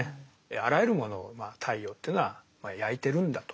あらゆるものを太陽というのは焼いてるんだと。